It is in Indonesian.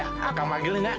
aku akan panggilnya